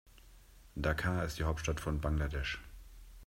Dhaka ist die Hauptstadt von Bangladesch.